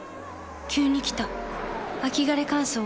急に来た秋枯れ乾燥。